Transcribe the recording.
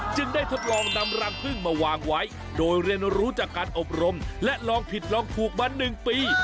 จึงได้ทดลองนำรังพึ่งมาวางไว้โดยเรียนรู้จากการอบรมและลองผิดลองถูกมา๑ปี